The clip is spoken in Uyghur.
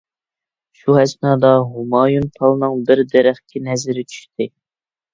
شۇ ئەسنادا ھۇمايۇن پالنىڭ بىر دەرەخكە نەزىرى چۈشتى.